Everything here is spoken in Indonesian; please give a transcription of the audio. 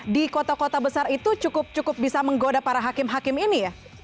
di kota kota besar itu cukup cukup bisa menggoda para hakim hakim ini ya